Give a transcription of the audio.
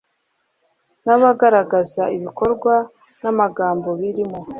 n abagaragaza ibikorwa n amagambo birimo